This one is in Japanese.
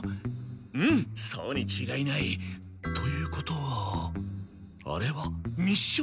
うんそうにちがいない。ということはあれは密書？